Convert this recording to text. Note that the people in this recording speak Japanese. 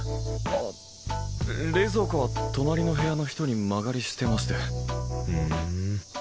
あ冷蔵庫は隣の部屋の人に間借りしてましてふん